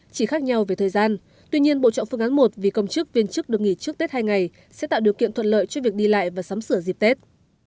chỉ khác nhau về thời gian tuy nhiên bộ chọn phương án một vì công chức viên chức được nghỉ trước tết hai ngày sẽ tạo điều kiện thuận lợi cho việc đi lại và sắm sửa dịp tết